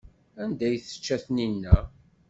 Anda ay tečča Taninna?